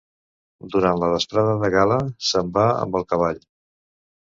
Durant la vesprada de gala, se'n va amb el cavall.